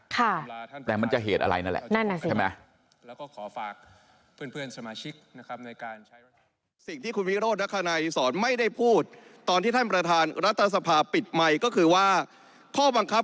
แต่มันจะเหตุอะไรนั่นแหละ